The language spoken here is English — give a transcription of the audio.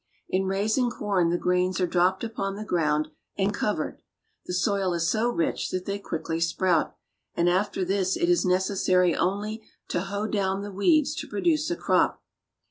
In raising corn the grains are dropped upon the ground and covered. The soil is so rich that they quickly sprout, and after this it is necessary only to hoe down the weeds to produce a crop.